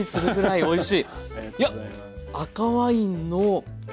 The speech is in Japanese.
おいしい。